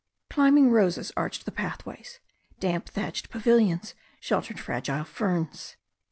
Climbing roses arched the pathways; damp thatched pavilions sheltered fragile ferns.